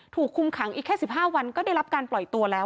ถูกคุมขังอีกแค่๑๕วันก็ได้รับการปล่อยตัวแล้ว